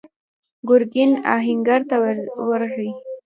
ګرګين آهنګر ته ورغی.